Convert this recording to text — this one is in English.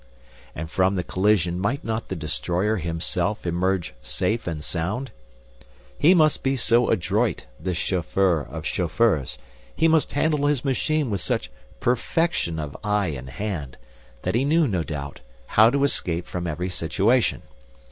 And from the collision might not the destroyer himself emerge safe and sound? He must be so adroit, this chauffeur of chauffeurs, he must handle his machine with such perfection of eye and hand, that he knew, no doubt, how to escape from every situation.